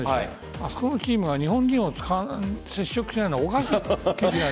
あそこのチームが日本人と接触しないのがおかしいと。